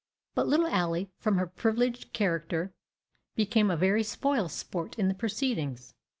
But little Ally, from her privileged character, became a very spoil sport in the proceedings.